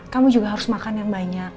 kamu juga harus makan yang banyak